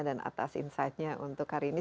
dan atas insightnya untuk hari ini